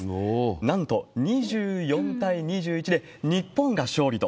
なんと２４対２１で日本が勝利と。